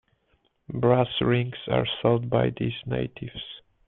Brass rings are sold by these natives.